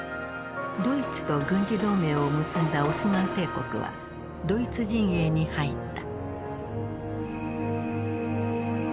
ドイツと軍事同盟を結んだオスマン帝国はドイツ陣営に入った。